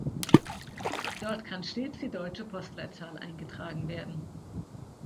Dort kann stets die deutsche Postleitzahl eingetragen werden.